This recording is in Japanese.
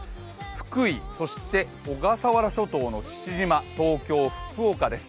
福井、小笠原諸島の父島、東京、福岡です。